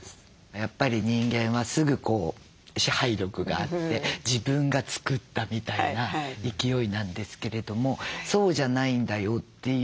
やっぱり人間はすぐ支配力があって自分が作ったみたいな勢いなんですけれどもそうじゃないんだよっていう。